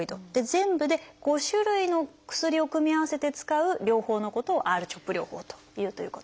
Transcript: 全部で５種類の薬を組み合わせて使う療法のことを「Ｒ−ＣＨＯＰ療法」と言うということです。